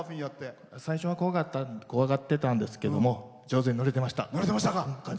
最初は怖がってたんですけど上手に乗れてました。